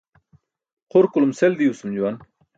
Xurkulum sel diwsum juwan.